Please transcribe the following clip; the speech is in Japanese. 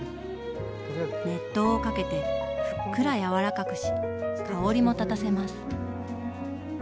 熱湯をかけてふっくら柔らかくし香りも立たせます。